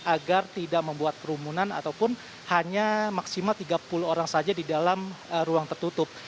agar tidak membuat kerumunan ataupun hanya maksimal tiga puluh orang saja di dalam ruang tertutup